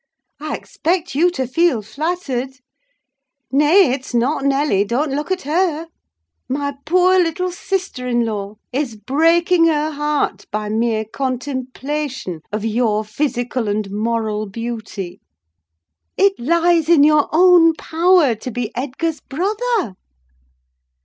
I expect you to feel flattered. Nay, it's not Nelly; don't look at her! My poor little sister in law is breaking her heart by mere contemplation of your physical and moral beauty. It lies in your own power to be Edgar's brother!